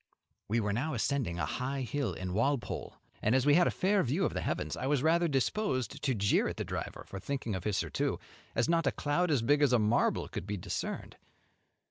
We were now ascending a high hill in Walpole, and as we had a fair view of the heavens, I was rather disposed to jeer the driver for thinking of his surtout, as not a cloud as big as a marble could be discerned.